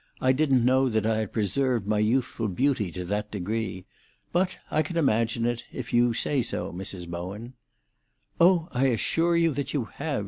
"I didn't know that I had preserved my youthful beauty to that degree. But I can imagine it—if you say so, Mrs. Bowen." "Oh, I assure you that you have!"